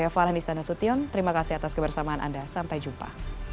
fahlan isana sution terima kasih atas kebersamaan anda sampai jumpa